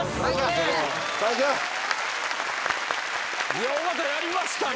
いや尾形やりましたね